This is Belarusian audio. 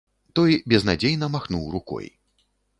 Той безнадзейна махнуў рукой.